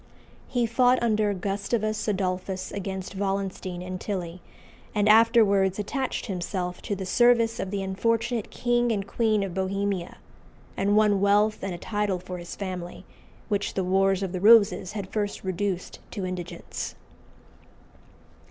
He fought under Gustavus Adolphus against Wallenstein and Tilly, and afterwards attached himself to the service of the unfortunate King and Queen of Bohemia, and won wealth and a title for his family, which the Wars of the Roses had first reduced to indigence.